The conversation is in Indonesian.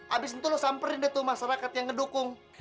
abis itu lo samperin deh tuh masyarakat yang ngedukung